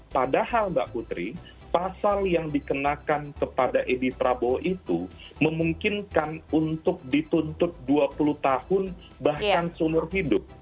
padahal mbak putri pasal yang dikenakan kepada edi prabowo itu memungkinkan untuk dituntut dua puluh tahun bahkan seumur hidup